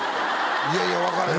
いやいや分からへん